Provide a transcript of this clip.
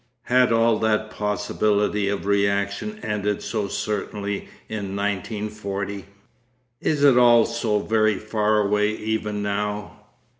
Had all that possibility of reaction ended so certainly in 1940? Is it all so very far away even now?